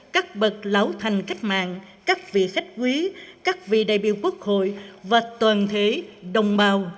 các bậc lão thành cách mạng các vị khách quý các vị đại biểu quốc hội và toàn thể đồng bào